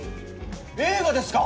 映画ですか！？